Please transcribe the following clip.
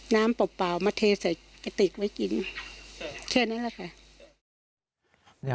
เปล่ามาเทใส่กระติกไว้กินแค่นั้นแหละค่ะ